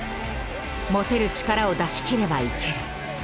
持てる力を出し切ればいける」。